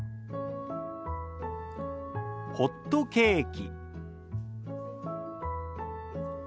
「ホットケーキ」。